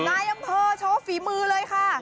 นายอำเภอโชว์ฝีมือเลยค่ะ